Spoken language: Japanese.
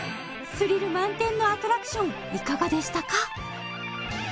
スリル満点のアトラクションいかがでしたか？